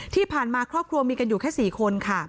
ที่ผ่านมาครอบครัวมีกันอยู่แค่๔คนค่ะ